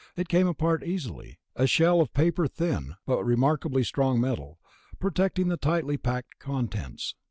It came apart easily, a shell of paper thin but remarkably strong metal, protecting the tightly packed contents.